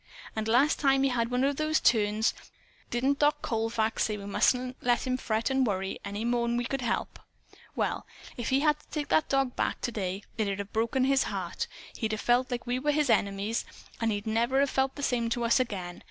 And, last time he had one of those 'turns,' didn't Doc Colfax say we mustn't let him fret and worry any more'n we could help? Well, if he had to take that dog back to day, it'd have broke his heart. He'd have felt like we were his enemies, and he'd never have felt the same to us again.